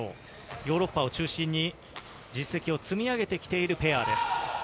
ヨーロッパを中心に実績を積み上げてきているペアです。